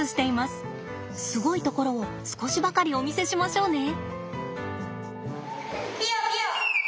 すごいところを少しばかりお見せしましょうね。